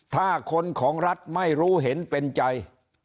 ถ้าคนของรัฐไม่รู้เห็นเป็นใจ